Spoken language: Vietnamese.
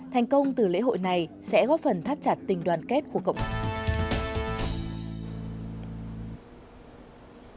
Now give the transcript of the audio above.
thành công từ lễ hội này sẽ góp phần thắt chặt tình đoàn kết của cộng đồng